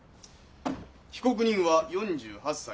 被告人は４８歳。